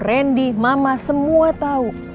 randy mama semua tau